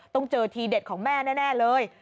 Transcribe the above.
ต้องเจอทีเด็ดของแม่แน่เลย